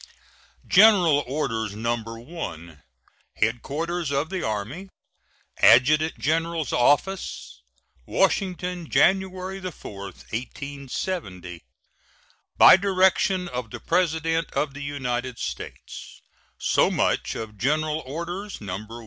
GENERAL ORDERS, No. 1. HEADQUARTERS OF THE ARMY, ADJUTANT GENERAL'S OFFICE, Washington, January 4, 1870. By direction of the President of the United States, so much of General Orders, No.